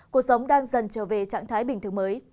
cuộc sống đang dần trở về trạng thái bình thường mới